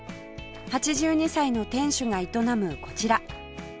８２歳の店主が営むこちら